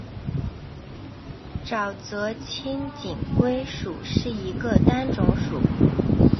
沼泽侧颈龟属是一个单种属。